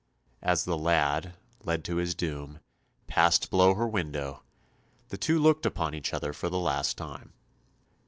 As the lad, led to his doom, passed below her window, the two looked upon each other for the last time.